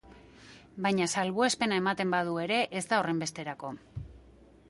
Baina, salbuespena ematen badu ere, ez da horrenbesterako.